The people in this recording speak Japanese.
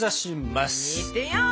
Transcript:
いってみよう！